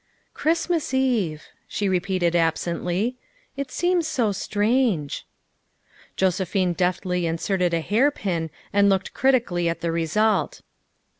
" Christmas Eve," she repeated absently; " it seems so strange." Josephine deftly inserted a hairpin and looked criti cally at the result.